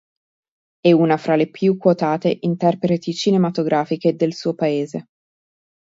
È una fra le più quotate interpreti cinematografiche del suo paese.